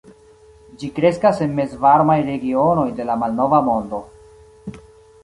Ĝi kreskas en mezvarmaj regionoj de la malnova mondo.